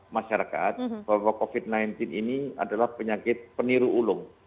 masyarakat bahwa covid sembilan belas ini adalah penyakit peniru ulung